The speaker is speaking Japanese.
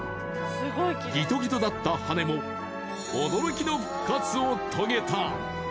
ギトギトだった羽根も驚きの復活を遂げた！